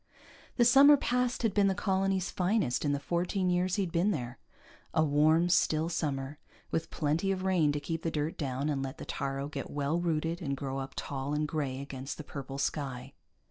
The summer past had been the colony's finest in the fourteen years he'd been there, a warm, still summer with plenty of rain to keep the dirt down and let the taaro get well rooted and grow up tall and gray against the purple sky.